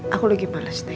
aku lagi males deh